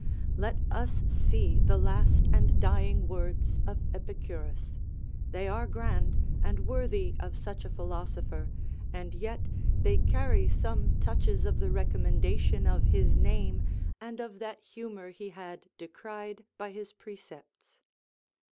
Let us see the last and dying words of Epicurus; they are grand, and worthy of such a philosopher, and yet they carry some touches of the recommendation of his name and of that humour he had decried by his precepts.